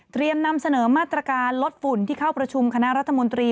นำเสนอมาตรการลดฝุ่นที่เข้าประชุมคณะรัฐมนตรี